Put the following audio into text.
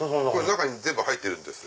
中に全部入ってるんです。